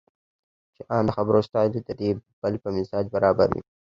چې ان د خبرو سټایل دې د بل په مزاج برابر وي.